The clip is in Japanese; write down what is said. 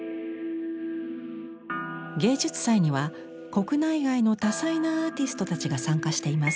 芸術祭には国内外の多彩なアーティストたちが参加しています。